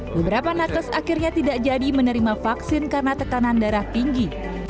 beberapa nakes akhirnya tidak jadi menerima vaksin karena tekanan darah tinggi